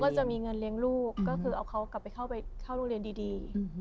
จะมีเงินเลี้ยงลูกก็คือเอาเขากลับไปเข้าโรงเรียนดี